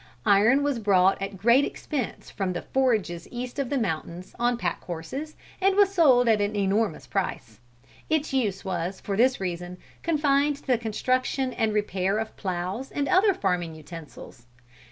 Iron was brought at great expense from the forges east of the mountains, on pack horses, and was sold at an enormous price. Its use was, for this reason, confined to the construction and repair of ploughs and other farming utensils.